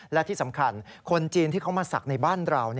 และที่สำคัญคนจีนที่เขามาศักดิ์ในบ้านเรา